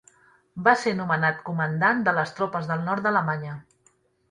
Va ser nomenat comandant de les tropes del nord d'Alemanya.